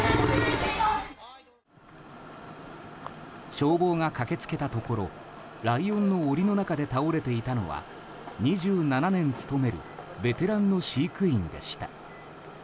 消防が駆け付けたところライオンの檻の中で倒れていたのは２７年務めるベテランの飼育員でした。